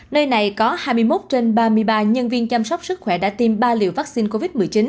nơi này có hai mươi một trên ba mươi ba nhân viên chăm sóc sức khỏe đã tiêm ba liều vaccine covid một mươi chín